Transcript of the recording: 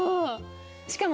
しかも。